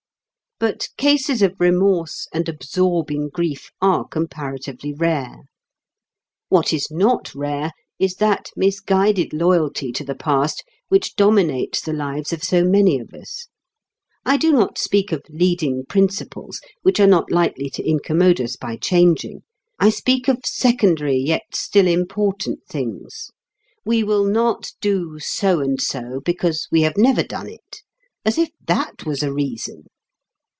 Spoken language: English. But cases of remorse and absorbing grief are comparatively rare. What is not rare is that misguided loyalty to the past which dominates the lives of so many of us. I do not speak of leading principles, which are not likely to incommode us by changing; I speak of secondary yet still important things. We will not do so and so because we have never done it as if that was a reason!